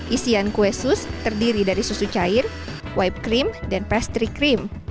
isian kue sus terdiri dari susu cair wipe cream dan pastry cream